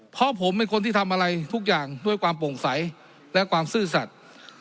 เพราะผมเป็นคนที่ทำอะไรทุกอย่างด้วยความโปร่งใสและความซื่อสัตว์